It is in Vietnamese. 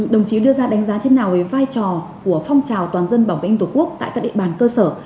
đồng chí đưa ra đánh giá thế nào về vai trò của phong trào toàn dân bảo vệ an ninh tổ quốc tại các địa bàn cơ sở